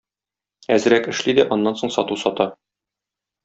Әзрәк эшли дә, аннан соң сату сата.